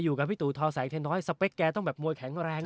อยู่กับพี่ตูทอแสงเทน้อยสเปคแกต้องแบบมวยแข็งแรงนะ